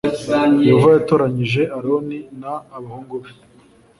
Yehova yatoranyije Aroni n abahungu be